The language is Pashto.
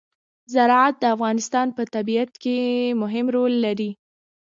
زراعت د افغانستان په طبیعت کې مهم رول لري.